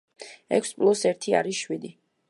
ექვს პლუს ერთი არის შვიდი.